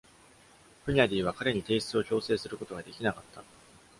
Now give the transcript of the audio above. フニャディは彼に提出を強制することができなかった。